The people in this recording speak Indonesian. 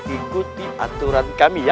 ikuti aturan kami ya